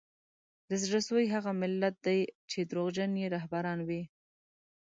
د زړه سوي هغه ملت دی چي دروغجن یې رهبران وي